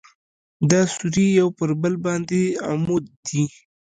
دا سوري یو پر بل باندې عمود دي.